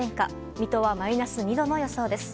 水戸はマイナス２度の予想です。